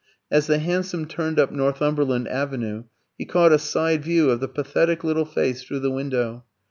As the hansom turned up Northumberland Avenue, he caught a side view of the pathetic little face through the window.